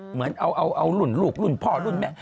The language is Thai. เหมือนเอารุ่นลูกรุ่นพ่อรุ่นแม่